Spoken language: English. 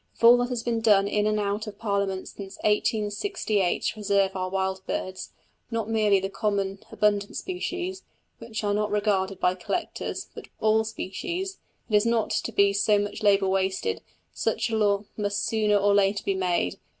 If all that has been done in and out of Parliament since 1868 to preserve our wild birds not merely the common abundant species, which are not regarded by collectors, but all species is not to be so much labour wasted, such a law must sooner or later be made.